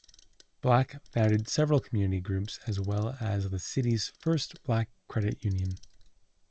Black founded several community groups as well as the city's first black credit union.